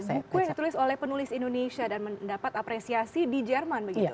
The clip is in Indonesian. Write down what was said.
buku yang ditulis oleh penulis indonesia dan mendapat apresiasi di jerman begitu